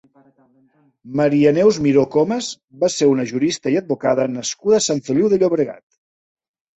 Maria Neus Miró Comas va ser una jurista i advocada nascuda a Sant Feliu de Llobregat.